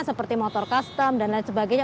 seperti motor custom dan lain sebagainya